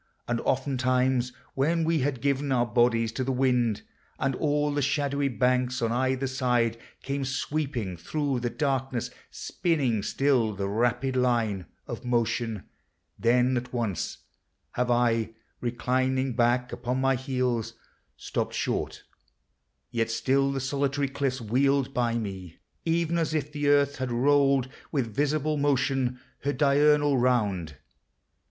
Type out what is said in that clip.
And oftentimes, When we had given our bodies to the wind, And all the shadowy banks on either side Came sweeping thro' the darkness, spinning still The rapid line of motion, then at once Have I, reclining back upon my heels, Stopped short; yet still the solitary cliffs Wheeled by me, — even as if the Earth had rolled With visible motion her diurnal round!